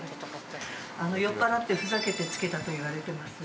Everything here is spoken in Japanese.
酔っ払って、ふざけてつけたと言われてますが。